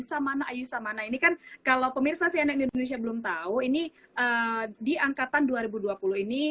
samana ayu samana ini kan kalau pemirsa cnn indonesia belum tahu ini di angkatan dua ribu dua puluh ini